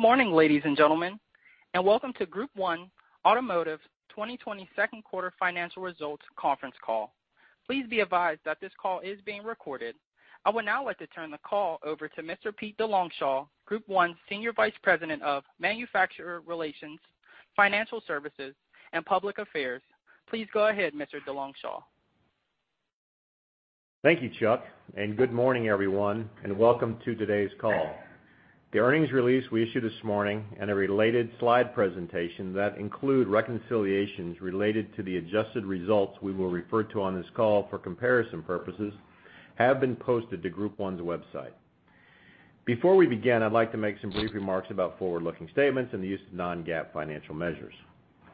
Good morning, ladies and gentlemen, and welcome to Group 1 Automotive 2020 second quarter financial results conference call. Please be advised that this call is being recorded. I would now like to turn the call over to Mr. Pete DeLongchamps, Group 1 Senior Vice President of Manufacturer Relations, Financial Services, and Public Affairs. Please go ahead, Mr. DeLongchamps. Thank you, Chuck. Good morning, everyone, and welcome to today's call. The earnings release we issued this morning and a related slide presentation that include reconciliations related to the adjusted results we will refer to on this call for comparison purposes have been posted to Group 1's website. Before we begin, I'd like to make some brief remarks about forward-looking statements and the use of non-GAAP financial measures.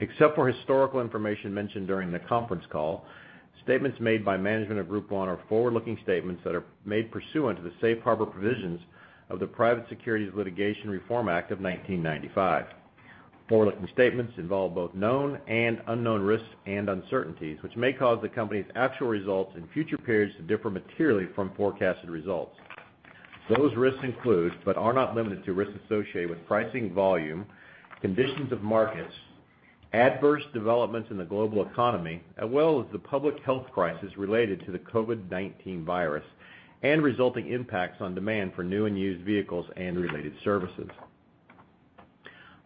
Except for historical information mentioned during the conference call, statements made by management of Group 1 are forward-looking statements that are made pursuant to the safe harbor provisions of the Private Securities Litigation Reform Act of 1995. Forward-looking statements involve both known and unknown risks and uncertainties, which may cause the company's actual results in future periods to differ materially from forecasted results. Those risks include, but are not limited to, risks associated with pricing volume, conditions of markets, adverse developments in the global economy, as well as the public health crisis related to the COVID-19 virus and resulting impacts on demand for new and used vehicles and related services.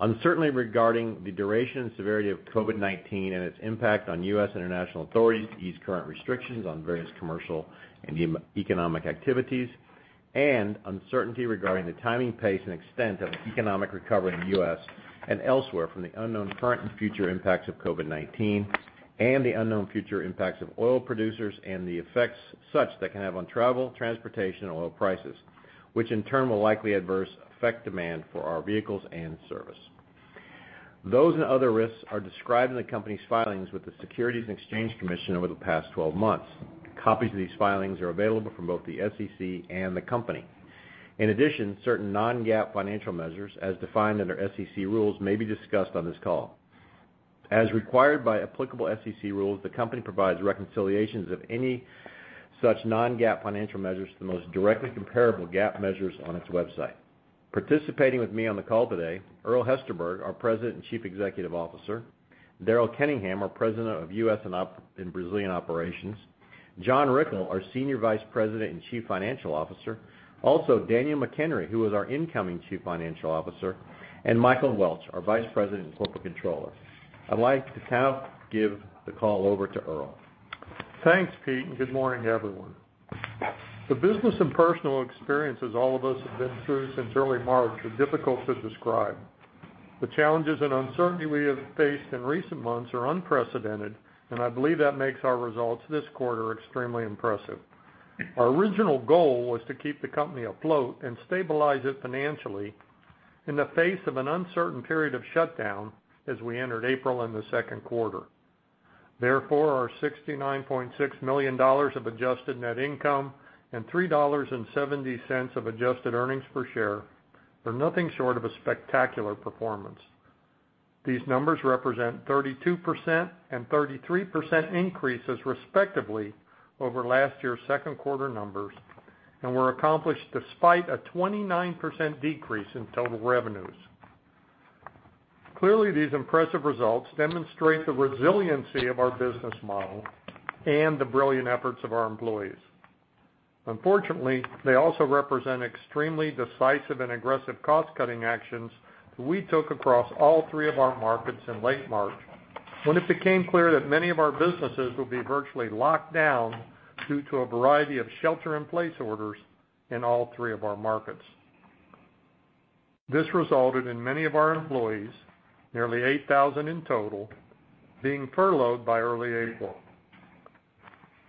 Uncertainty regarding the duration and severity of COVID-19 and its impact on U.S. and international authorities to ease current restrictions on various commercial and economic activities, and uncertainty regarding the timing, pace, and extent of an economic recovery in the U.S. and elsewhere from the unknown current and future impacts of COVID-19 and the unknown future impacts of oil producers and the effects such that can have on travel, transportation, and oil prices, which in turn will likely adversely affect demand for our vehicles and service. Those and other risks are described in the company's filings with the Securities and Exchange Commission over the past 12 months. Copies of these filings are available from both the SEC and the company. Certain non-GAAP financial measures, as defined under SEC rules, may be discussed on this call. As required by applicable SEC rules, the company provides reconciliations of any such non-GAAP financial measures to the most directly comparable GAAP measures on its website. Participating with me on the call today, Earl Hesterberg, our President and Chief Executive Officer. Daryl Kenningham, our President of U.S. and Brazilian Operations. John Rickel, our Senior Vice President and Chief Financial Officer. Also, Daniel McHenry, who is our incoming Chief Financial Officer, and Michael Welch, our Vice President and Corporate Controller. I'd like to now give the call over to Earl. Thanks, Pete, and good morning, everyone. The business and personal experiences all of us have been through since early March are difficult to describe. The challenges and uncertainty we have faced in recent months are unprecedented, and I believe that makes our results this quarter extremely impressive. Our original goal was to keep the company afloat and stabilize it financially in the face of an uncertain period of shutdown as we entered April in the second quarter. Our $69.6 million of adjusted net income and $3.70 of adjusted earnings per share are nothing short of a spectacular performance. These numbers represent 32% and 33% increases, respectively, over last year's second quarter numbers and were accomplished despite a 29% decrease in total revenues. These impressive results demonstrate the resiliency of our business model and the brilliant efforts of our employees. Unfortunately, they also represent extremely decisive and aggressive cost-cutting actions that we took across all three of our markets in late March when it became clear that many of our businesses would be virtually locked down due to a variety of shelter-in-place orders in all three of our markets. This resulted in many of our employees, nearly 8,000 in total, being furloughed by early April.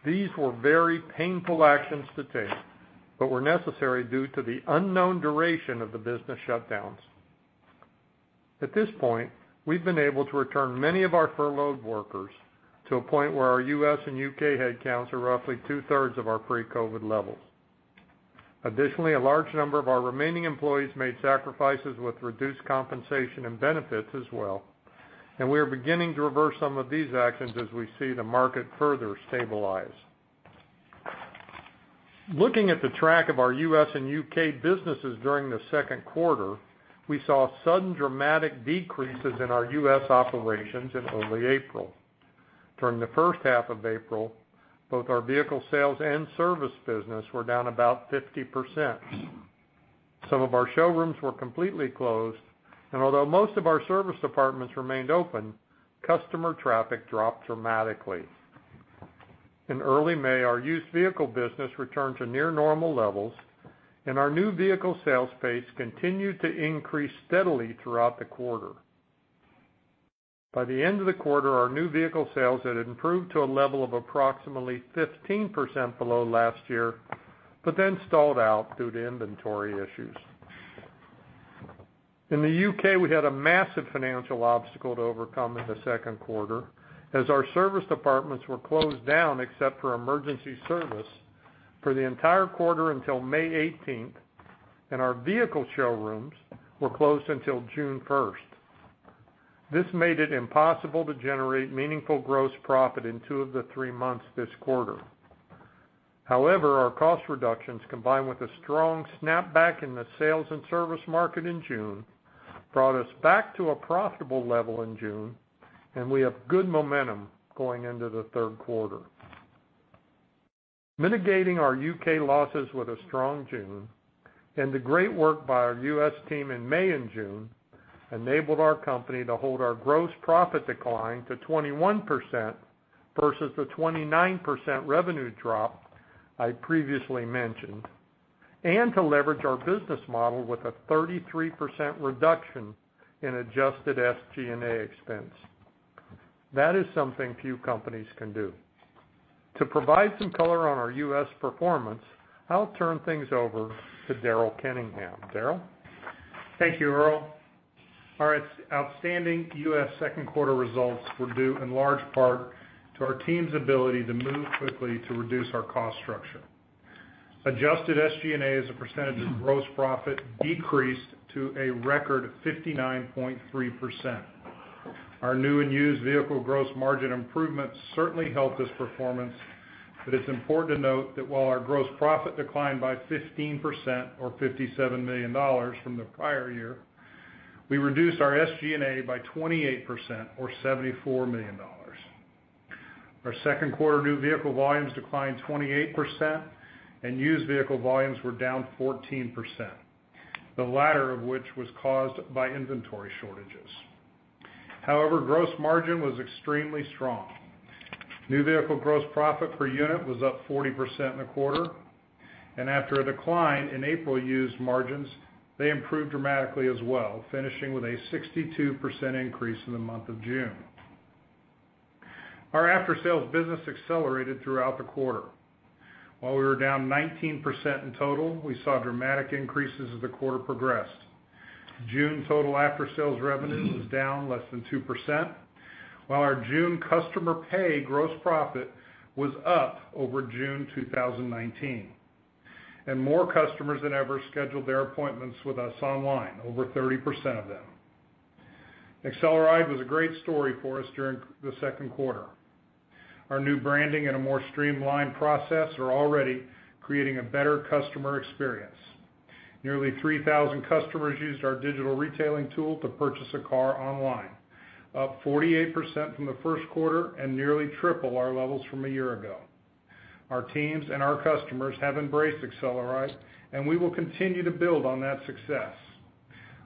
These were very painful actions to take, but were necessary due to the unknown duration of the business shutdowns. At this point, we've been able to return many of our furloughed workers to a point where our U.S. and U.K. headcounts are roughly two-thirds of our pre-COVID-19 levels. Additionally, a large number of our remaining employees made sacrifices with reduced compensation and benefits as well, and we are beginning to reverse some of these actions as we see the market further stabilize. Looking at the track of our U.S. and U.K. businesses during the second quarter, we saw sudden dramatic decreases in our U.S. operations in early April. During the first half of April, both our vehicle sales and service business were down about 50%. Some of our showrooms were completely closed, and although most of our service departments remained open, customer traffic dropped dramatically. In early May, our used vehicle business returned to near normal levels, and our new vehicle sales pace continued to increase steadily throughout the quarter. By the end of the quarter, our new vehicle sales had improved to a level of approximately 15% below last year, but then stalled out due to inventory issues. In the U.K., we had a massive financial obstacle to overcome in the second quarter as our service departments were closed down, except for emergency service, for the entire quarter until May 18th, and our vehicle showrooms were closed until June 1st. This made it impossible to generate meaningful gross profit in two of the three months this quarter. Our cost reductions, combined with a strong snapback in the sales and service market in June, brought us back to a profitable level in June, and we have good momentum going into the third quarter. Mitigating our U.K. losses with a strong June and the great work by our U.S. team in May and June enabled our company to hold our gross profit decline to 21% versus the 29% revenue drop I previously mentioned, and to leverage our business model with a 33% reduction in adjusted SG&A expense. That is something few companies can do. To provide some color on our U.S. performance, I'll turn things over to Daryl Kenningham. Daryl? Thank you, Earl. Our outstanding U.S. second quarter results were due in large part to our team's ability to move quickly to reduce our cost structure. Adjusted SG&A as a percentage of gross profit decreased to a record 59.3%. Our new and used vehicle gross margin improvements certainly helped this performance, but it's important to note that while our gross profit declined by 15%, or $57 million from the prior year, we reduced our SG&A by 28%, or $74 million. Our second quarter new vehicle volumes declined 28%, and used vehicle volumes were down 14%, the latter of which was caused by inventory shortages. However, gross margin was extremely strong. New vehicle gross profit per unit was up 40% in the quarter, and after a decline in April used margins, they improved dramatically as well, finishing with a 62% increase in the month of June. Our after-sales business accelerated throughout the quarter. While we were down 19% in total, we saw dramatic increases as the quarter progressed. June total after-sales revenue was down less than 2%, while our June customer pay gross profit was up over June 2019, and more customers than ever scheduled their appointments with us online, over 30% of them. AcceleRide was a great story for us during the second quarter. Our new branding and a more streamlined process are already creating a better customer experience. Nearly 3,000 customers used our digital retailing tool to purchase a car online, up 48% from the first quarter, and nearly triple our levels from a year ago. Our teams and our customers have embraced AcceleRide, and we will continue to build on that success.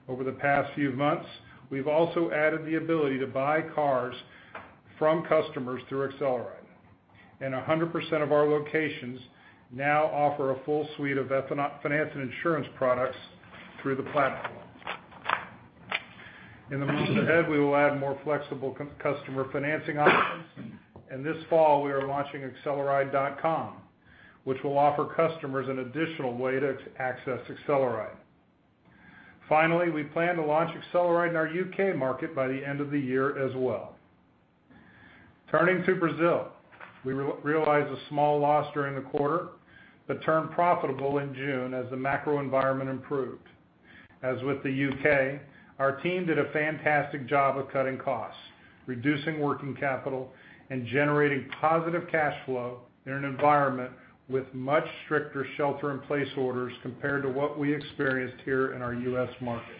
Over the past few months, we've also added the ability to buy cars from customers through AcceleRide, and 100% of our locations now offer a full suite of finance and insurance products through the platform. In the months ahead, we will add more flexible customer financing options, and this fall, we are launching acceleride.com, which will offer customers an additional way to access AcceleRide. Finally, we plan to launch AcceleRide in our U.K. market by the end of the year as well. Turning to Brazil. We realized a small loss during the quarter but turned profitable in June as the macro environment improved. As with the U.K., our team did a fantastic job of cutting costs, reducing working capital, and generating positive cash flow in an environment with much stricter shelter in place orders compared to what we experienced here in our U.S. markets.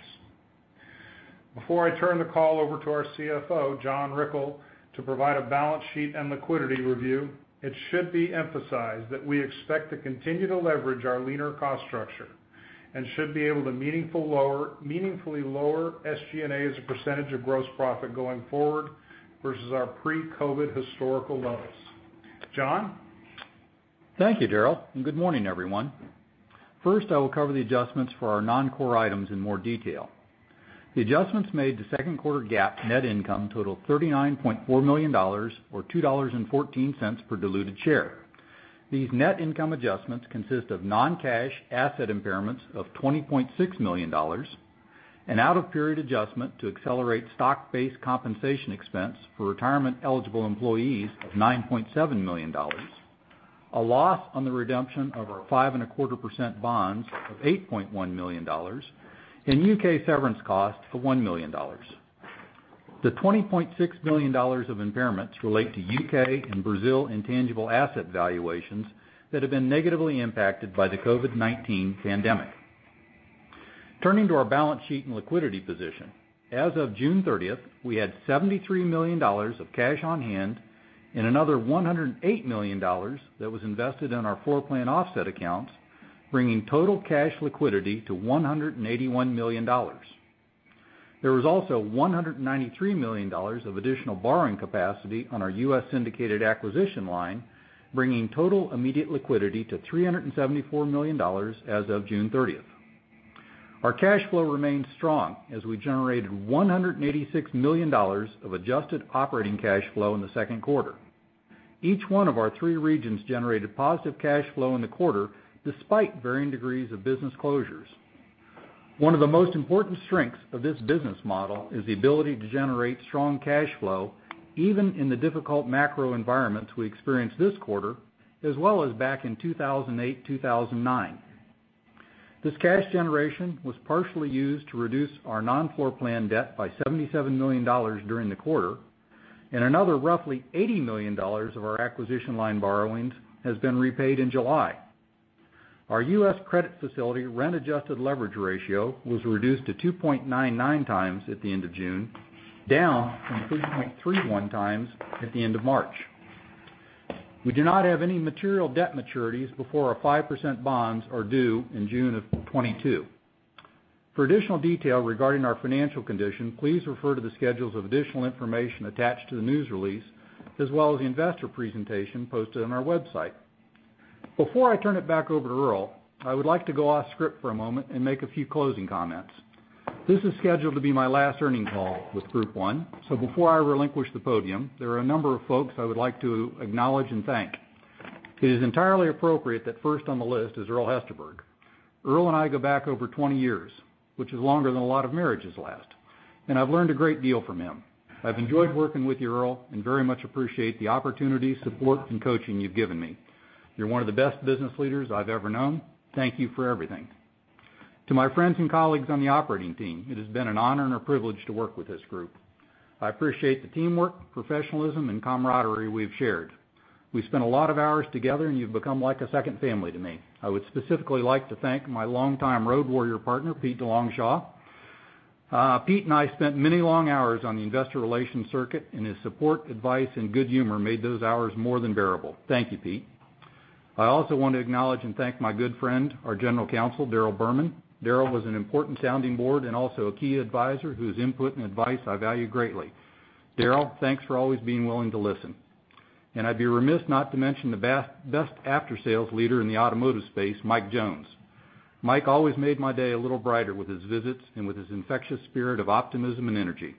Before I turn the call over to our CFO, John Rickel, to provide a balance sheet and liquidity review, it should be emphasized that we expect to continue to leverage our leaner cost structure and should be able to meaningfully lower SG&A as a percentage of gross profit going forward versus our pre-COVID historical levels. John? Thank you, Daryl, and good morning, everyone. First, I will cover the adjustments for our non-core items in more detail. The adjustments made to second quarter GAAP net income total $39.4 million, or $2.14 per diluted share. These net income adjustments consist of non-cash asset impairments of $20.6 million, an out-of-period adjustment to accelerate stock-based compensation expense for retirement-eligible employees of $9.7 million, a loss on the redemption of our 5.25% bonds of $8.1 million, and U.K. severance costs of $1 million. The $20.6 million of impairments relate to U.K. and Brazil intangible asset valuations that have been negatively impacted by the COVID-19 pandemic. Turning to our balance sheet and liquidity position. As of June 30th, we had $73 million of cash on hand and another $108 million that was invested in our floor plan offset accounts, bringing total cash liquidity to $181 million. There was also $193 million of additional borrowing capacity on our U.S. syndicated acquisition line, bringing total immediate liquidity to $374 million as of June 30th. Our cash flow remained strong as we generated $186 million of adjusted operating cash flow in the second quarter. Each one of our three regions generated positive cash flow in the quarter, despite varying degrees of business closures. One of the most important strengths of this business model is the ability to generate strong cash flow, even in the difficult macro environments we experienced this quarter, as well as back in 2008, 2009. This cash generation was partially used to reduce our non-floor plan debt by $77 million during the quarter, and another roughly $80 million of our acquisition line borrowings has been repaid in July. Our U.S. credit facility rent adjusted leverage ratio was reduced to 2.99x at the end of June, down from 3.31x at the end of March. We do not have any material debt maturities before our 5% bonds are due in June of 2022. For additional detail regarding our financial condition, please refer to the schedules of additional information attached to the news release, as well as the investor presentation posted on our website. Before I turn it back over to Earl, I would like to go off script for a moment and make a few closing comments. This is scheduled to be my last earnings call with Group 1, so before I relinquish the podium, there are a number of folks I would like to acknowledge and thank. It is entirely appropriate that first on the list is Earl Hesterberg. Earl and I go back over 20 years, which is longer than a lot of marriages last, and I've learned a great deal from him. I've enjoyed working with you, Earl, and very much appreciate the opportunity, support, and coaching you've given me. You're one of the best business leaders I've ever known. Thank you for everything. To my friends and colleagues on the operating team, it has been an honor and a privilege to work with this group. I appreciate the teamwork, professionalism, and camaraderie we've shared. We've spent a lot of hours together, and you've become like a second family to me. I would specifically like to thank my longtime road warrior partner, Pete DeLongchamps. Pete and I spent many long hours on the investor relation circuit, and his support, advice, and good humor made those hours more than bearable. Thank you, Pete. I also want to acknowledge and thank my good friend, our General Counsel, Darryl Burman. Darryl was an important sounding board and also a key advisor whose input and advice I value greatly. Darryl, thanks for always being willing to listen. I'd be remiss not to mention the best after-sales leader in the automotive space, Mike Jones. Mike always made my day a little brighter with his visits and with his infectious spirit of optimism and energy.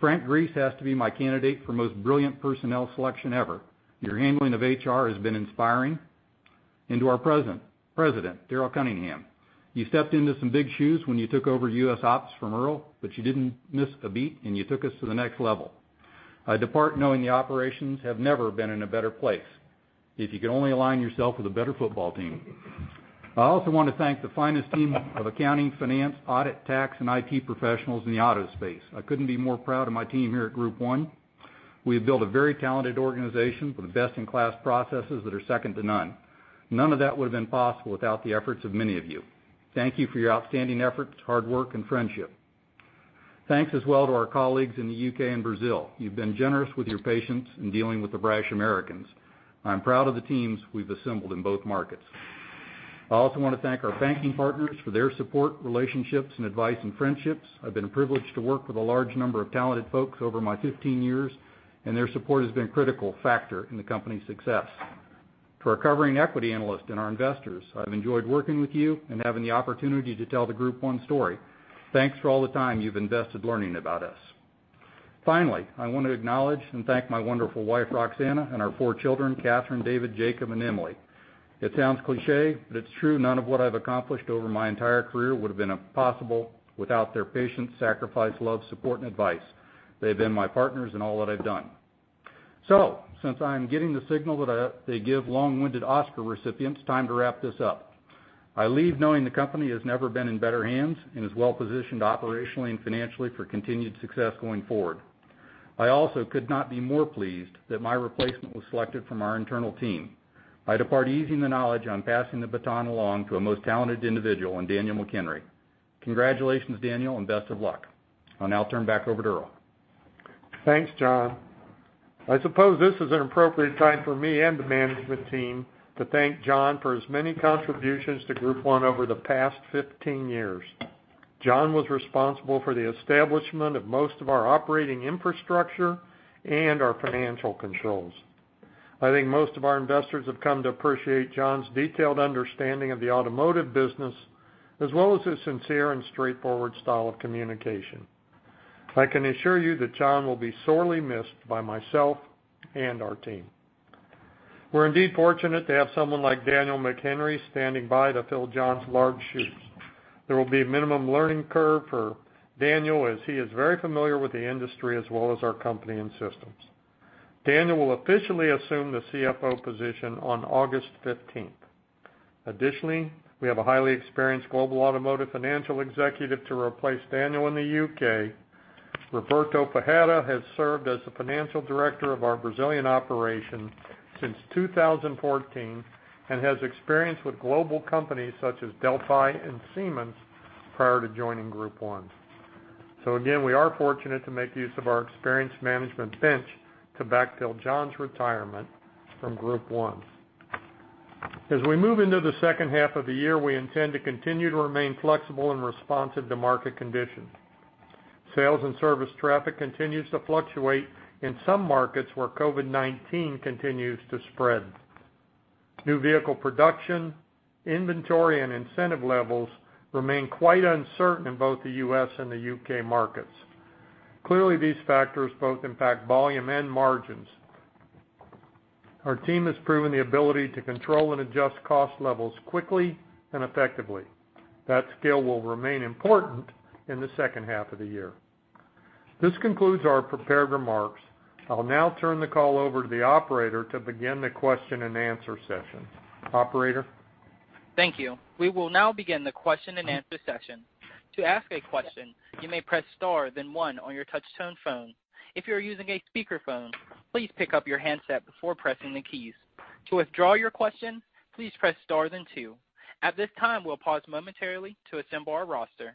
Frank Grese has to be my candidate for most brilliant personnel selection ever. Your handling of HR has been inspiring. To our President, Daryl Kenningham, you stepped into some big shoes when you took over US Ops from Earl, but you didn't miss a beat, and you took us to the next level. I depart knowing the operations have never been in a better place. If you could only align yourself with a better football team. I also want to thank the finest team of accounting, finance, audit, tax, and IT professionals in the auto space. I couldn't be more proud of my team here at Group 1. We have built a very talented organization with the best-in-class processes that are second to none. None of that would've been possible without the efforts of many of you. Thank you for your outstanding efforts, hard work, and friendship. Thanks as well to our colleagues in the U.K. and Brazil. You've been generous with your patience in dealing with the brash Americans. I'm proud of the teams we've assembled in both markets. I also want to thank our banking partners for their support, relationships, and advice, and friendships. I've been privileged to work with a large number of talented folks over my 15 years, and their support has been a critical factor in the company's success. To our covering equity analysts and our investors, I've enjoyed working with you and having the opportunity to tell the Group 1 story. Thanks for all the time you've invested learning about us. Finally, I want to acknowledge and thank my wonderful wife, Roxanna, and our four children, Catherine, David, Jacob, and Emily. It sounds cliché, but it's true none of what I've accomplished over my entire career would've been possible without their patient sacrifice, love, support, and advice. They've been my partners in all that I've done. Since I am getting the signal that they give long-winded Oscar recipients, time to wrap this up. I leave knowing the company has never been in better hands and is well-positioned operationally and financially for continued success going forward. I also could not be more pleased that my replacement was selected from our internal team. I depart easing the knowledge on passing the baton along to a most talented individual in Daniel McHenry. Congratulations, Daniel, and best of luck. I'll now turn back over to Earl. Thanks, John. I suppose this is an appropriate time for me and the management team to thank John for his many contributions to Group 1 over the past 15 years. John was responsible for the establishment of most of our operating infrastructure and our financial controls. I think most of our investors have come to appreciate John's detailed understanding of the automotive business, as well as his sincere and straightforward style of communication. I can assure you that John will be sorely missed by myself and our team. We're indeed fortunate to have someone like Daniel McHenry standing by to fill John's large shoes. There will be a minimum learning curve for Daniel, as he is very familiar with the industry as well as our company and systems. Daniel will officially assume the CFO position on August 15th. Additionally, we have a highly experienced global automotive financial executive to replace Daniel in the U.K. Roberto Fajardo has served as the financial director of our Brazilian operation since 2014 and has experience with global companies such as Delphi and Siemens prior to joining Group 1. Again, we are fortunate to make use of our experienced management bench to backfill John's retirement from Group 1. As we move into the second half of the year, we intend to continue to remain flexible and responsive to market conditions. Sales and service traffic continues to fluctuate in some markets where COVID-19 continues to spread. New vehicle production, inventory, and incentive levels remain quite uncertain in both the U.S. and the U.K. markets. Clearly, these factors both impact volume and margins. Our team has proven the ability to control and adjust cost levels quickly and effectively. That skill will remain important in the second half of the year. This concludes our prepared remarks. I'll now turn the call over to the Operator to begin the question and answer session. Operator? Thank you. We will now begin the question and answer session. To ask a question, you may press star then one on your touch tone phone. If you're using a speakerphone, please pick up your handset before pressing the keys. To withdraw your question, please press star then two. At this time, we'll pause momentarily to assemble our roster.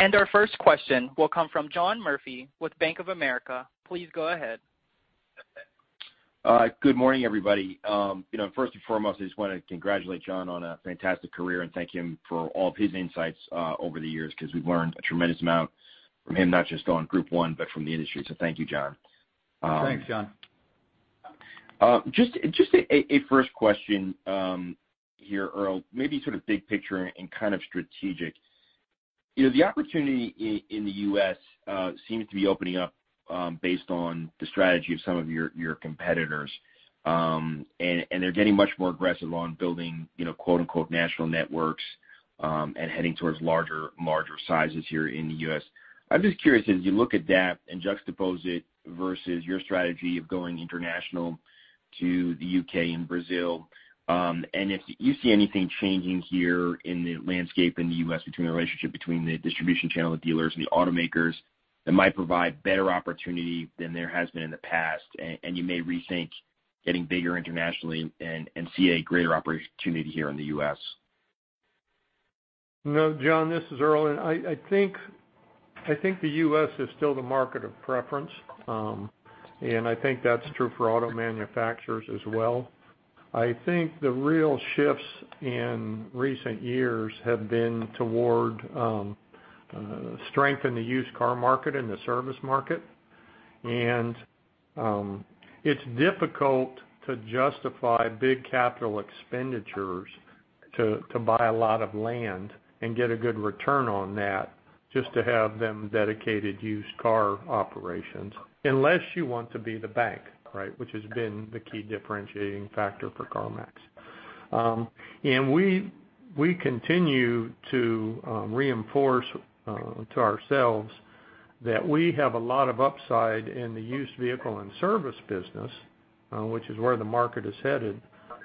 Our first question will come from John Murphy with Bank of America. Please go ahead. Good morning, everybody. First and foremost, I just want to congratulate John on a fantastic career and thank him for all of his insights over the years, because we've learned a tremendous amount from him, not just on Group 1, but from the industry. Thank you, John. Thanks, John. Just a first question here, Earl, maybe sort of big picture and kind of strategic. The opportunity in the U.S. seems to be opening up based on the strategy of some of your competitors. They're getting much more aggressive on building "national networks" and heading towards larger sizes here in the U.S. I am just curious, as you look at that and juxtapose it versus your strategy of going international to the U.K. and Brazil, and if you see anything changing here in the landscape in the U.S. between the relationship between the distribution channel, the dealers, and the automakers that might provide better opportunity than there has been in the past, and you may rethink getting bigger internationally and see a greater opportunity here in the U.S. No, John, this is Earl. I think the U.S. is still the market of preference. I think that's true for auto manufacturers as well. I think the real shifts in recent years have been toward strength in the used car market and the service market. It's difficult to justify big capital expenditures to buy a lot of land and get a good return on that, just to have them dedicated used car operations. Unless you want to be the bank, which has been the key differentiating factor for CarMax. We continue to reinforce to ourselves that we have a lot of upside in the used vehicle and service business, which is where the market is headed,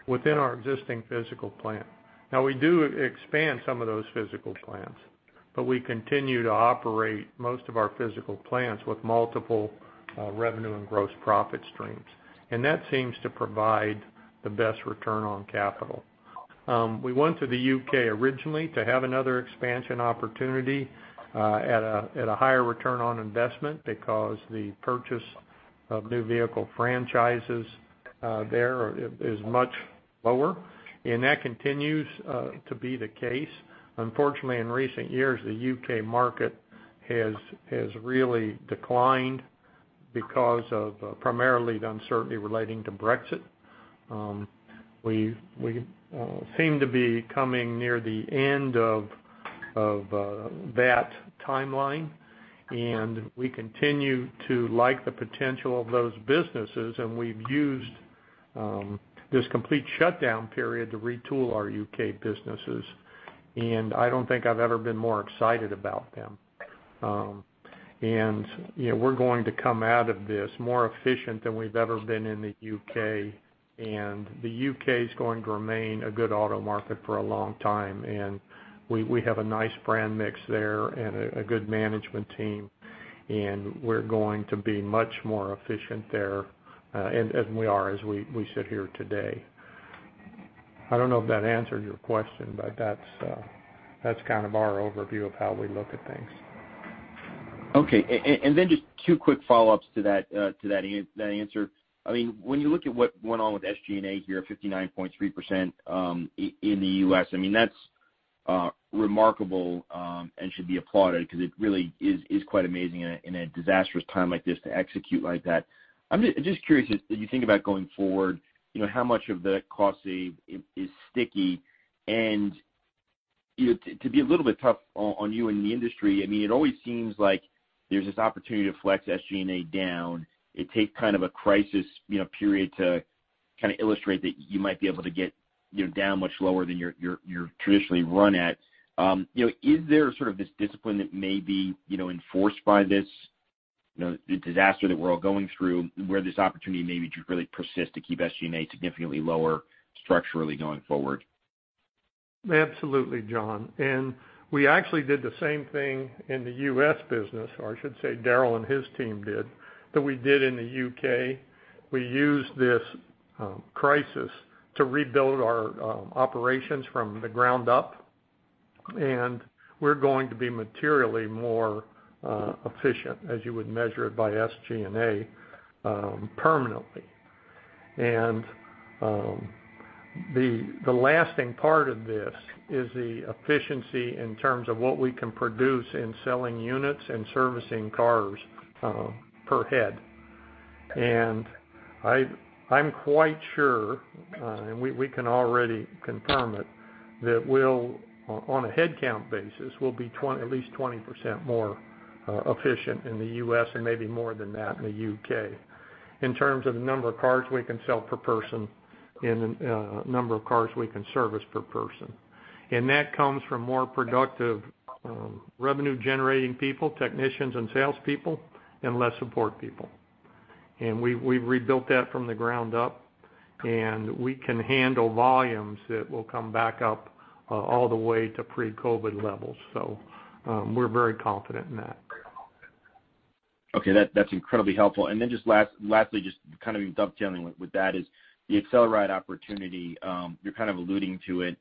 within our existing physical plant. Now we do expand some of those physical plants, but we continue to operate most of our physical plants with multiple revenue and gross profit streams. That seems to provide the best return on capital. We went to the U.K. originally to have another expansion opportunity at a higher return on investment because the purchase of new vehicle franchises there is much lower, and that continues to be the case. Unfortunately, in recent years, the U.K. market has really declined because of primarily the uncertainty relating to Brexit. We seem to be coming near the end of that timeline, and we continue to like the potential of those businesses, and we've used this complete shutdown period to retool our U.K. businesses, and I don't think I've ever been more excited about them. We're going to come out of this more efficient than we've ever been in the U.K., and the U.K. is going to remain a good auto market for a long time, and we have a nice brand mix there and a good management team, and we're going to be much more efficient there, as we are as we sit here today. I don't know if that answered your question, but that's kind of our overview of how we look at things. Okay. Just two quick follow-ups to that answer. When you look at what went on with SG&A here at 59.3% in the U.S., that's remarkable and should be applauded because it really is quite amazing in a disastrous time like this to execute like that. I'm just curious, as you think about going forward, how much of that cost save is sticky? To be a little bit tough on you and the industry, it always seems like there's this opportunity to flex SG&A down. It takes kind of a crisis period to kind of illustrate that you might be able to get down much lower than you traditionally run at. Is there sort of this discipline that may be enforced by this disaster that we're all going through, where this opportunity may really persist to keep SG&A significantly lower structurally going forward? Absolutely, John. We actually did the same thing in the U.S. business, or I should say Daryl and his team did, that we did in the U.K. We used this crisis to rebuild our operations from the ground up. We're going to be materially more efficient as you would measure it by SG&A permanently. The lasting part of this is the efficiency in terms of what we can produce in selling units and servicing cars per head. I'm quite sure, and we can already confirm it. That will, on a headcount basis, will be at least 20% more efficient in the U.S. and maybe more than that in the U.K. in terms of the number of cars we can sell per person and the number of cars we can service per person. That comes from more productive revenue-generating people, technicians, and salespeople, and less support people. We've rebuilt that from the ground up, and we can handle volumes that will come back up all the way to pre-COVID levels. We're very confident in that. Okay. That's incredibly helpful. Then just lastly, just kind of dovetailing with that is the AcceleRide opportunity. You're kind of alluding to it.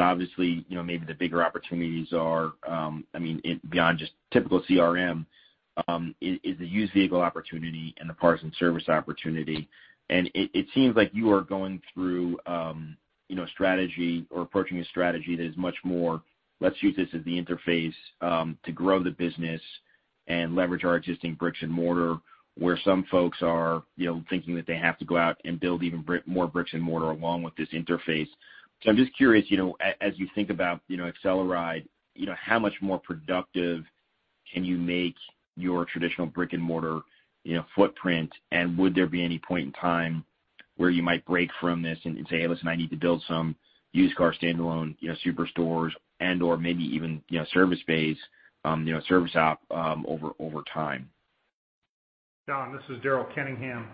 Obviously, maybe the bigger opportunities are, beyond just typical CRM, is the used vehicle opportunity and the parts and service opportunity. It seems like you are going through a strategy or approaching a strategy that is much more, "Let's use this as the interface to grow the business and leverage our existing bricks and mortar," where some folks are thinking that they have to go out and build even more bricks and mortar along with this interface. I'm just curious, as you think about AcceleRide, how much more productive can you make your traditional brick-and-mortar footprint? Would there be any point in time where you might break from this and say, "Hey, listen, I need to build some used car standalone superstores and/or maybe even service bays, service app over time? John, this is Daryl Kenningham.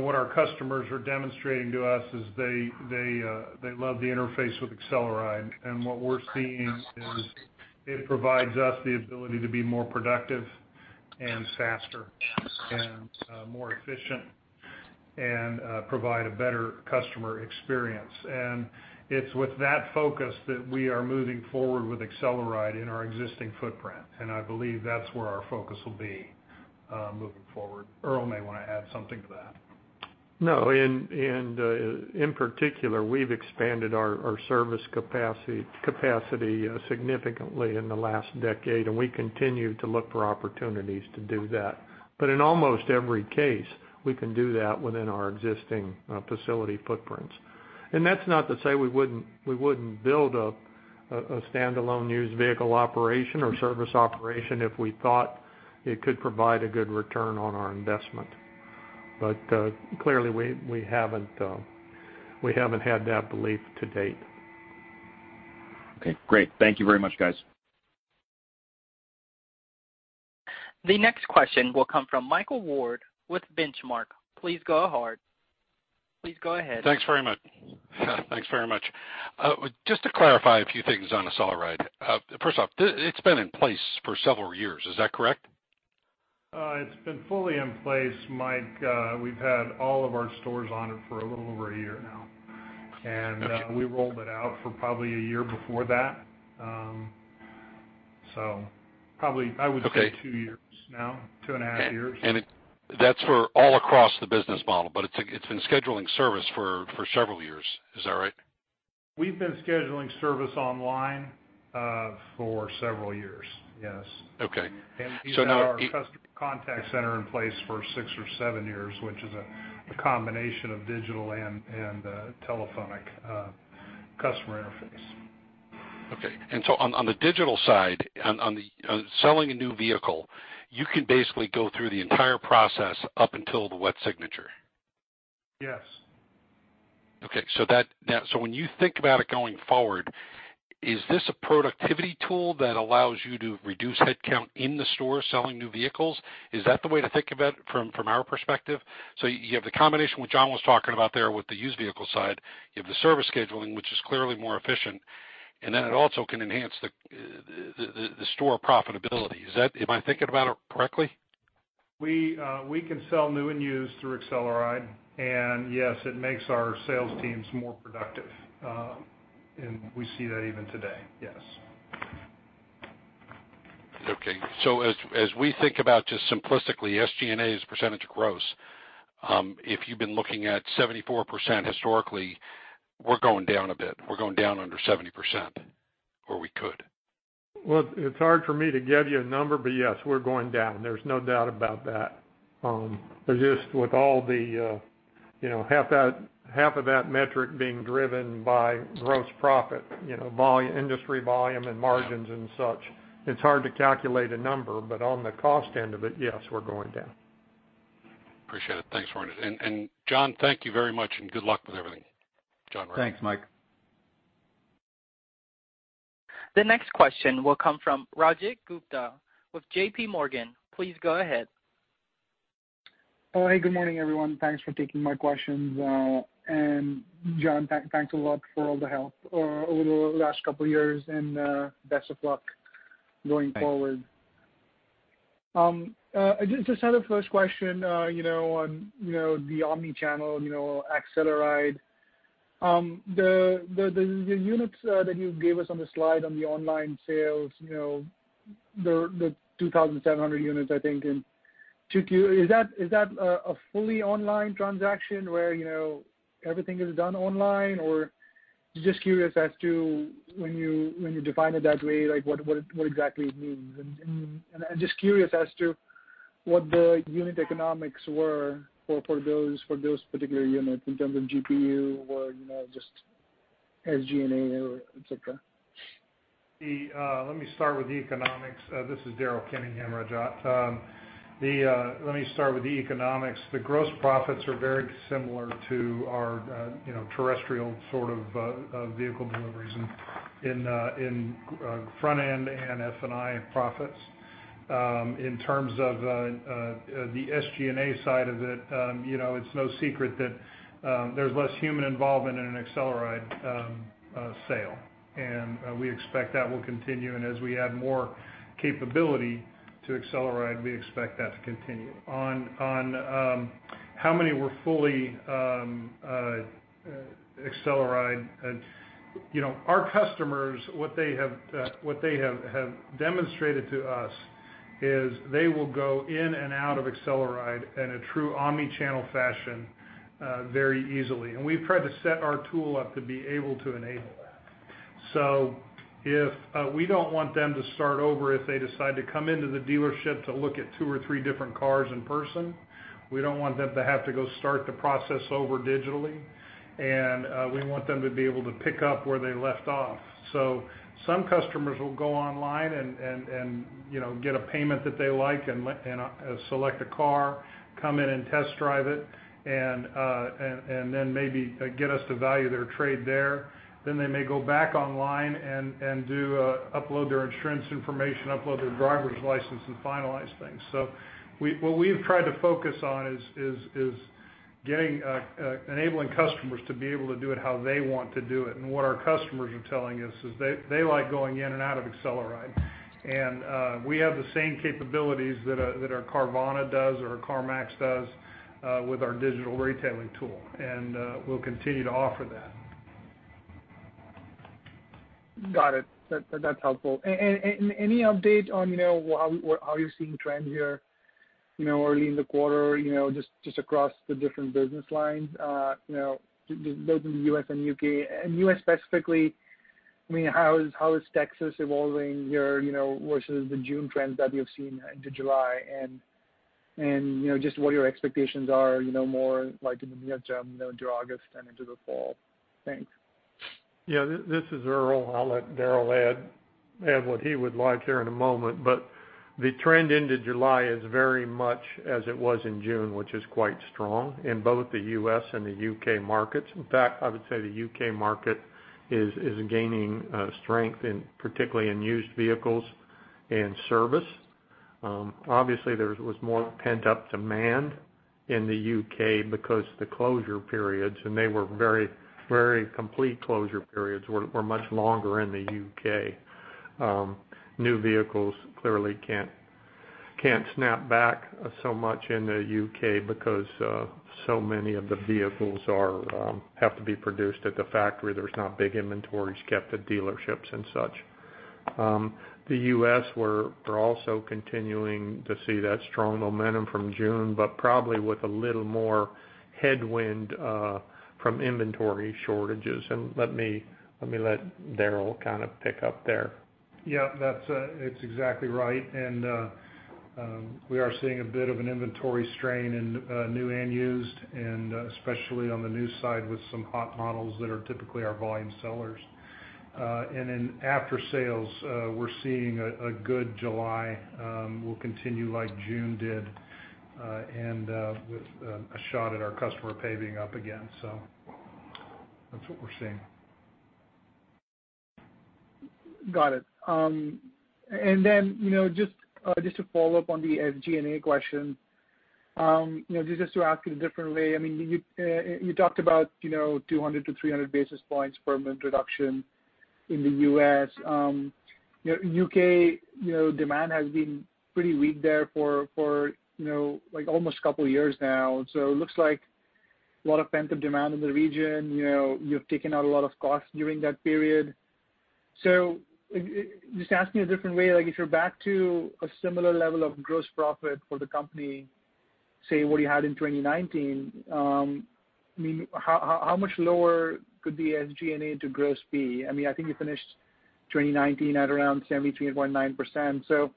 What our customers are demonstrating to us is they love the interface with AcceleRide. What we're seeing is it provides us the ability to be more productive and faster and more efficient and provide a better customer experience. It's with that focus that we are moving forward with AcceleRide in our existing footprint, and I believe that's where our focus will be moving forward. Earl may want to add something to that. No. In particular, we've expanded our service capacity significantly in the last decade, and we continue to look for opportunities to do that. In almost every case, we can do that within our existing facility footprints. That's not to say we wouldn't build a standalone used vehicle operation or service operation if we thought it could provide a good return on our investment. Clearly, we haven't had that belief to date. Okay, great. Thank you very much, guys. The next question will come from Michael Ward with Benchmark. Please go ahead. Thanks very much. Just to clarify a few things on AcceleRide. First off, it's been in place for several years, is that correct? It's been fully in place, Mike. We've had all of our stores on it for a little over a year now. We rolled it out for probably a year before that. Probably, I would say two years now, two and a half years. That's for all across the business model, but it's been scheduling service for several years. Is that right? We've been scheduling service online for several years. Yes. Okay. We've had our customer contact center in place for six or seven years, which is a combination of digital and telephonic customer interface. Okay. On the digital side, on selling a new vehicle, you can basically go through the entire process up until the wet signature? Yes. Okay. When you think about it going forward, is this a productivity tool that allows you to reduce headcount in the store selling new vehicles? Is that the way to think about it from our perspective? You have the combination, what John was talking about there with the used vehicle side. You have the service scheduling, which is clearly more efficient, and then it also can enhance the store profitability. Am I thinking about it correctly? We can sell new and used through AcceleRide, yes, it makes our sales teams more productive. We see that even today, yes. Okay. As we think about just simplistically, SG&A as a percentage of gross, if you've been looking at 74% historically, we're going down a bit. We're going down under 70%, or we could. Well, it's hard for me to give you a number, but yes, we're going down. There's no doubt about that. Just with all the half of that metric being driven by gross profit, industry volume and margins and such, it's hard to calculate a number. On the cost end of it, yes, we're going down. Appreciate it. Thanks for it. John, thank you very much, and good luck with everything. Mike Ward. Thanks, Mike. The next question will come from Rajat Gupta with JPMorgan. Please go ahead. Oh, hey, good morning, everyone. Thanks for taking my questions. John, thanks a lot for all the help over the last couple of years, and best of luck going forward. Thanks. Just as a first question, on the omni-channel AcceleRide. The units that you gave us on the slide on the online sales, the 2,700 units, I think in 2Q. Is that a fully online transaction where everything is done online? Just curious as to when you define it that way, what exactly it means. Just curious as to what the unit economics were for those particular units in terms of GPU or SG&A or et cetera. Let me start with the economics. This is Daryl Kenningham, Rajat. Let me start with the economics. The gross profits are very similar to our terrestrial sort of vehicle deliveries in front end and F&I profits. In terms of the SG&A side of it's no secret that there's less human involvement in an AcceleRide sale. We expect that will continue, and as we add more capability to AcceleRide, we expect that to continue. On how many were fully AcceleRide, our customers, what they have demonstrated to us is they will go in and out of AcceleRide in a true omni-channel fashion very easily. We've tried to set our tool up to be able to enable that. We don't want them to start over if they decide to come into the dealership to look at two or three different cars in person. We don't want them to have to go start the process over digitally. We want them to be able to pick up where they left off. Some customers will go online and get a payment that they like and select a car, come in and test drive it, and then maybe get us to value their trade there. They may go back online and upload their insurance information, upload their driver's license, and finalize things. What we've tried to focus on is enabling customers to be able to do it how they want to do it. What our customers are telling us is they like going in and out of AcceleRide. We have the same capabilities that our Carvana does or our CarMax does with our digital retailing tool. We'll continue to offer that. Got it. That's helpful. Any update on how you're seeing trends here early in the quarter just across the different business lines both in the U.S. and U.K. U.S. specifically, how is Texas evolving here, versus the June trends that you've seen into July? Just what your expectations are more like in the near term into August and into the fall. Thanks. Yeah, this is Earl. I'll let Daryl add what he would like here in a moment. The trend into July is very much as it was in June, which is quite strong in both the U.S. and the U.K. markets. In fact, I would say the U.K. market is gaining strength particularly in used vehicles and service. Obviously, there was more pent-up demand in the U.K. because of the closure periods, they were very complete closure periods, were much longer in the U.K. New vehicles clearly can't snap back so much in the U.K. because so many of the vehicles have to be produced at the factory. There's not big inventories kept at dealerships and such. The U.S., we're also continuing to see that strong momentum from June, probably with a little more headwind from inventory shortages. Let me let Daryl kind of pick up there. Yeah, it's exactly right. We are seeing a bit of an inventory strain in new and used, especially on the new side with some hot models that are typically our volume sellers. In Aftersales, we're seeing a good July will continue like June did and with a shot at our customer paying up again. That's what we're seeing. Got it. Then just to follow up on the SG&A question, just to ask it a differently. You talked about 200-300 basis points permanent reduction in the U.S. U.K. demand has been pretty weak there for almost couple years now, so it looks like a lot of pent-up demand in the region. You've taken out a lot of cost during that period. Just asking a different way, if you're back to a similar level of gross profit for the company, say what you had in 2019, how much lower could the SG&A to gross be? I think you finished 2019 at around 73.9%.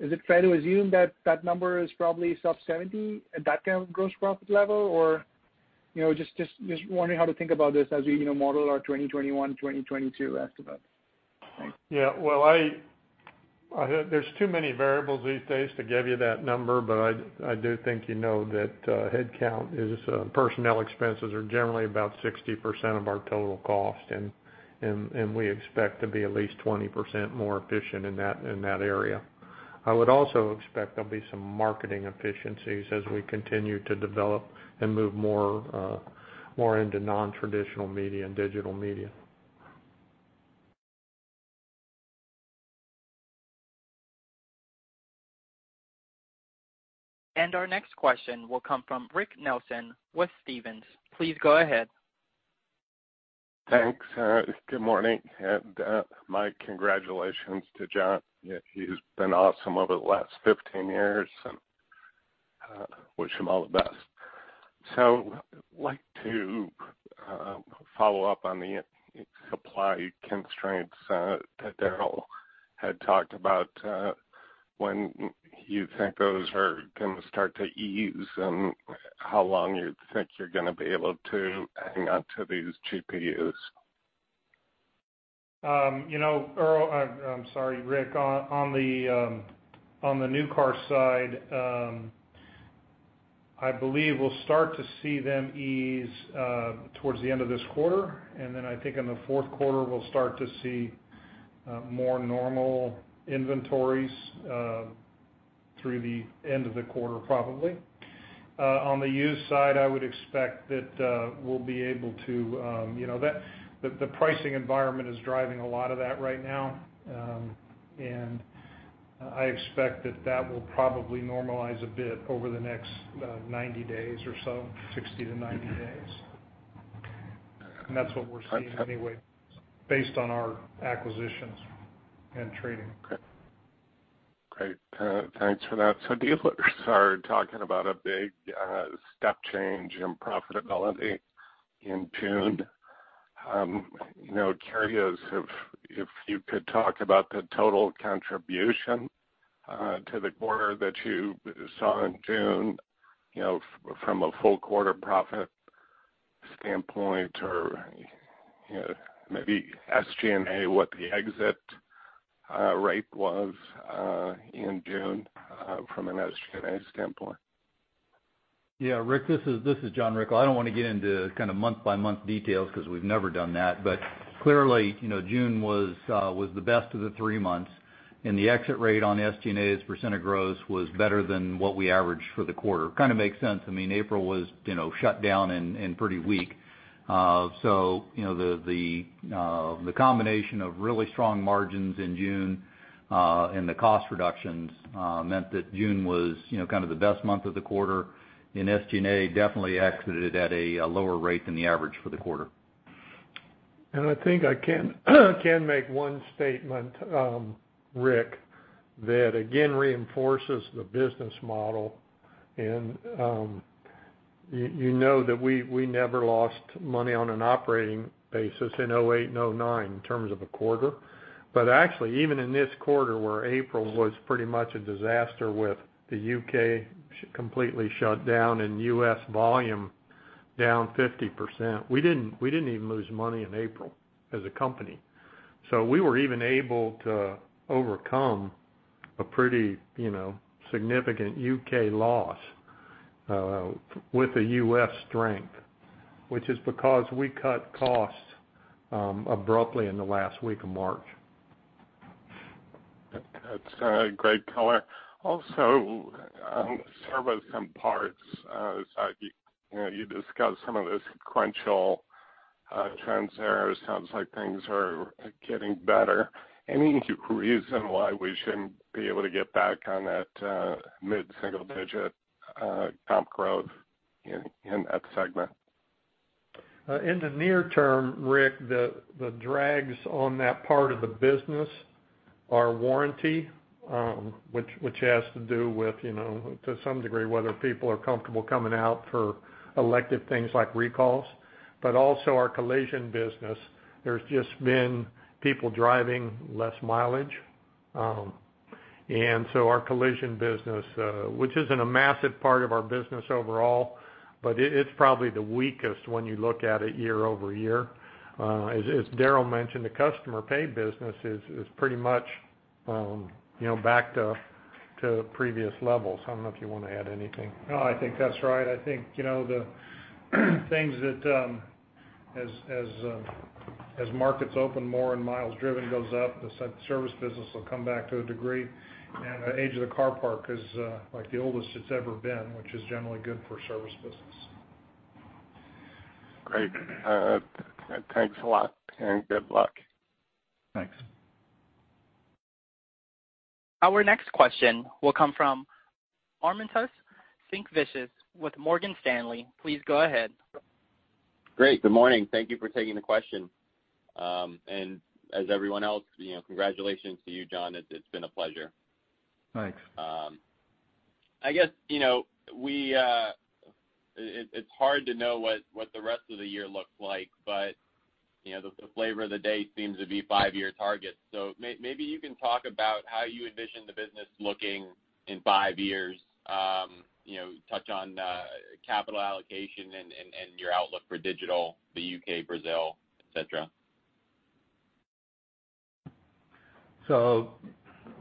Is it fair to assume that that number is probably sub 70 at that kind of gross profit level? Just wondering how to think about this as we model our 2021, 2022 estimates. Thanks. Yeah. There's too many variables these days to give you that number, but I do think you know that headcount is, personnel expenses are generally about 60% of our total cost. We expect to be at least 20% more efficient in that area. I would also expect there'll be some marketing efficiencies as we continue to develop and move more into non-traditional media and digital media. Our next question will come from Rick Nelson with Stephens. Please go ahead. Thanks. Good morning. My congratulations to John. He's been awesome over the last 15 years and wish him all the best. Like to follow up on the supply constraints that Daryl had talked about, when you think those are going to start to ease, and how long you think you're going to be able to hang on to these GPUs? Earl, I'm sorry, Rick, on the new car side, I believe we'll start to see them ease towards the end of this quarter. Then I think in the fourth quarter, we'll start to see more normal inventories through the end of the quarter, probably. On the used side, I would expect that we'll be able to. The pricing environment is driving a lot of that right now. I expect that that will probably normalize a bit over the next 90 days or so, 60-90 days. That's what we're seeing anyway, based on our acquisitions and trading. Great. Thanks for that. Dealers are talking about a big step change in profitability in June. Curious if you could talk about the total contribution to the quarter that you saw in June, from a full quarter profit standpoint, or maybe SG&A, what the exit rate was in June from an SG&A standpoint? Yeah, Rick, this is John Rickel. I don't want to get into kind of month-by-month details because we've never done that. Clearly, June was the best of the three months, and the exit rate on SG&A's % of gross was better than what we averaged for the quarter. Kind of makes sense. I mean, April was shut down and pretty weak. The combination of really strong margins in June, and the cost reductions meant that June was kind of the best month of the quarter, and SG&A definitely exited at a lower rate than the average for the quarter. I think I can make one statement, Rick, that again reinforces the business model. You know that we never lost money on an operating basis in 2008 and 2009 in terms of a quarter. Actually, even in this quarter, where April was pretty much a disaster with the U.K. completely shut down and U.S. volume down 50%, we didn't even lose money in April as a company. We were even able to overcome a pretty significant U.K. loss with the U.S. strength, which is because we cut costs abruptly in the last week of March. That's great color. Service and parts, you discussed some of the sequential trends there. It sounds like things are getting better. Any reason why we shouldn't be able to get back on that mid-single-digit comp growth in that segment? In the near term, Rick, the drags on that part of the business are warranty, which has to do with, to some degree, whether people are comfortable coming out for elective things like recalls. Also our collision business, there's just been people driving less mileage. Our collision business, which isn't a massive part of our business overall, but it's probably the weakest when you look at it year-over-year. As Daryl mentioned, the customer pay business is pretty much back to previous levels. I don't know if you want to add anything. I think that's right. I think, the things that as markets open more and miles driven goes up, the service business will come back to a degree. The age of the car park is like the oldest it's ever been, which is generally good for service business. Great. Thanks a lot, and good luck. Thanks. Our next question will come from Armintas Sinkevicius with Morgan Stanley. Please go ahead. Great. Good morning. Thank you for taking the question. As everyone else, congratulations to you, John. It's been a pleasure. Thanks. I guess, it's hard to know what the rest of the year looks like. The flavor of the day seems to be five-year targets. Maybe you can talk about how you envision the business looking in five years. Touch on capital allocation and your outlook for digital, the U.K., Brazil, et cetera.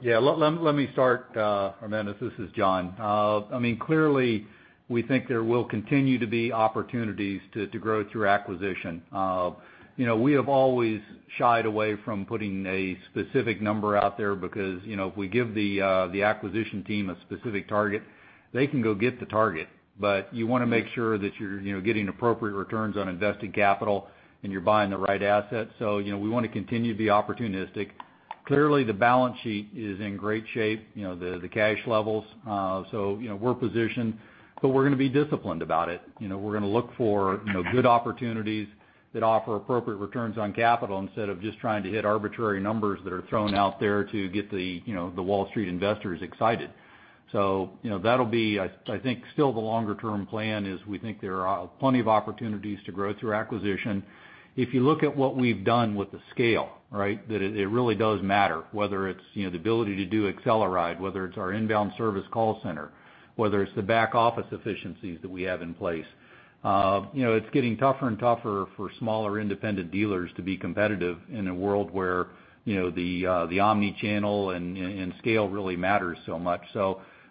Yeah, let me start, Armintas. This is John. Clearly, we think there will continue to be opportunities to grow through acquisition. We have always shied away from putting a specific number out there because if we give the acquisition team a specific target, they can go get the target. You want to make sure that you're getting appropriate returns on invested capital and you're buying the right asset. We want to continue to be opportunistic. Clearly, the balance sheet is in great shape, the cash levels. We're positioned, but we're going to be disciplined about it. We're going to look for good opportunities That offer appropriate returns on capital instead of just trying to hit arbitrary numbers that are thrown out there to get the Wall Street investors excited. That'll be, I think, still the longer-term plan, is we think there are plenty of opportunities to grow through acquisition. If you look at what we've done with the scale, right? That it really does matter whether it's the ability to do AcceleRide, whether it's our inbound service call center, whether it's the back-office efficiencies that we have in place. It's getting tougher and tougher for smaller, independent dealers to be competitive in a world where the omni-channel and scale really matters so much.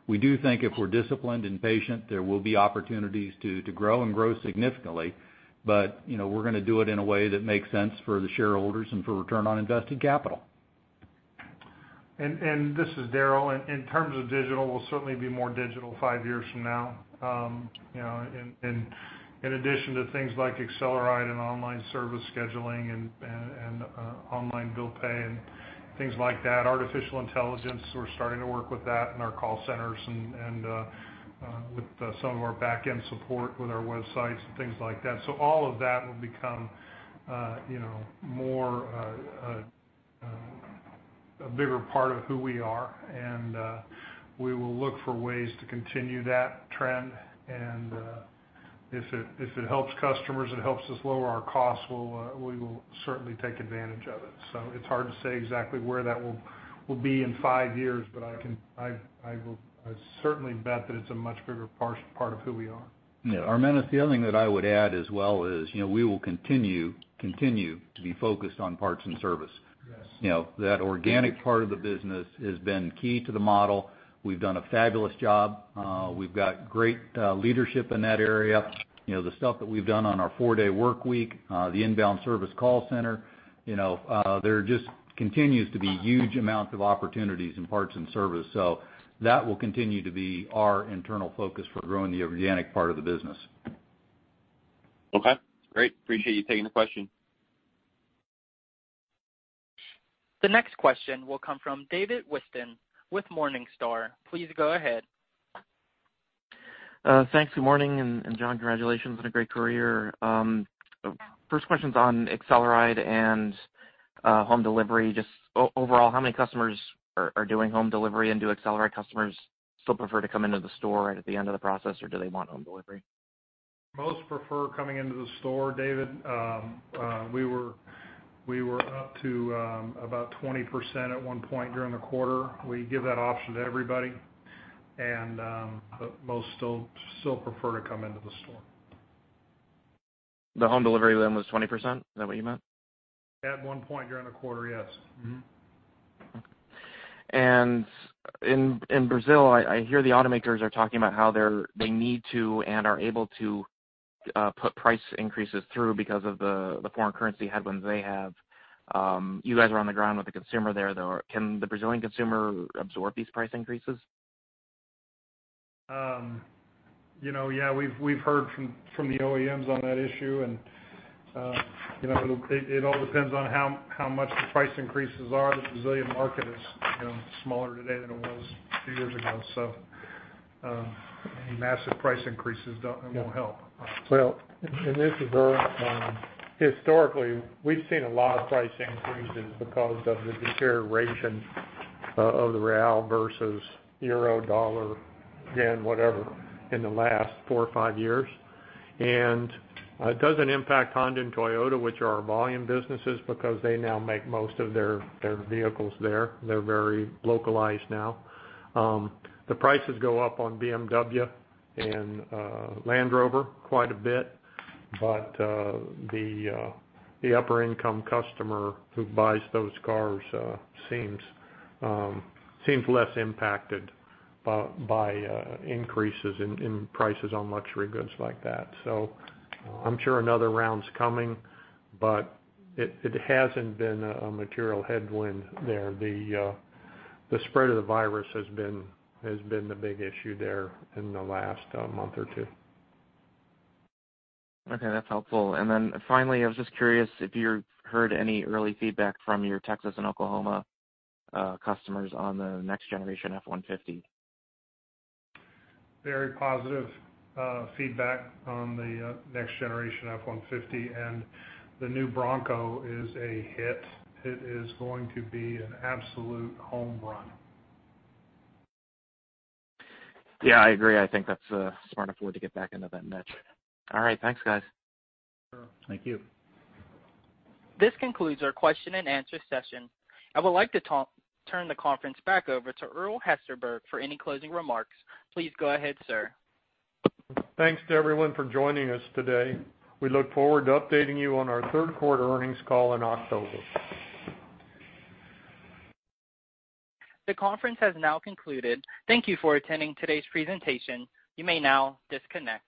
We do think if we're disciplined and patient, there will be opportunities to grow and grow significantly. We're going to do it in a way that makes sense for the shareholders and for return on invested capital. This is Daryl. In terms of digital, we'll certainly be more digital five years from now. In addition to things like AcceleRide and online service scheduling and online bill pay and things like that. Artificial intelligence, we're starting to work with that in our call centers and with some of our back-end support with our websites and things like that. All of that will become a bigger part of who we are. We will look for ways to continue that trend. If it helps customers, it helps us lower our costs, we will certainly take advantage of it. It's hard to say exactly where that will be in five years, but I'd certainly bet that it's a much bigger part of who we are. Yeah. Armintas, the other thing that I would add as well is, we will continue to be focused on parts and service. Yes. That organic part of the business has been key to the model. We've done a fabulous job. We've got great leadership in that area. The stuff that we've done on our four-day work week, the inbound service call center. There just continues to be huge amounts of opportunities in parts and service. That will continue to be our internal focus for growing the organic part of the business. Okay, great. Appreciate you taking the question. The next question will come from David Whiston with Morningstar. Please go ahead. Thanks. Good morning. John, congratulations on a great career. First question's on AcceleRide and home delivery. Just overall, how many customers are doing home delivery? Do AcceleRide customers still prefer to come into the store right at the end of the process, or do they want home delivery? Most prefer coming into the store, David. We were up to about 20% at one point during the quarter. We give that option to everybody, but most still prefer to come into the store. The home delivery then was 20%? Is that what you meant? At one point during the quarter, yes. Okay. In Brazil, I hear the automakers are talking about how they need to, and are able to put price increases through because of the foreign currency headwinds they have. You guys are on the ground with the consumer there, though. Can the Brazilian consumer absorb these price increases? Yeah, we've heard from the OEMs on that issue, it all depends on how much the price increases are. The Brazilian market is smaller today than it was a few years ago. Any massive price increases won't help. Well, this is Earl. Historically, we've seen a lot of price increases because of the deterioration of the real versus euro, dollar, yen, whatever, in the last four or five years. It doesn't impact Honda and Toyota, which are our volume businesses, because they now make most of their vehicles there. They're very localized now. The prices go up on BMW and Land Rover quite a bit. The upper income customer who buys those cars seems less impacted by increases in prices on luxury goods like that. I'm sure another round's coming, but it hasn't been a material headwind there. The spread of the virus has been the big issue there in the last month or two. Okay, that's helpful. Finally, I was just curious if you heard any early feedback from your Texas and Oklahoma customers on the next generation F-150. Very positive feedback on the next generation F-150. The new Bronco is a hit. It is going to be an absolute home run. Yeah, I agree. I think that's a smart effort to get back into that niche. All right. Thanks, guys. Sure. Thank you. This concludes our question and answer session. I would like to turn the conference back over to Earl Hesterberg for any closing remarks. Please go ahead, sir. Thanks to everyone for joining us today. We look forward to updating you on our third quarter earnings call in October. The conference has now concluded. Thank you for attending today's presentation. You may now disconnect.